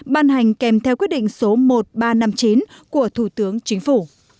ban hành kèm theo quyết định số một nghìn ba trăm năm mươi chín của thủ tướng chính phủ